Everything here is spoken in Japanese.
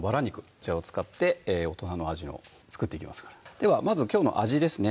こちらを使って大人の味を作っていきますからではまずきょうの味ですね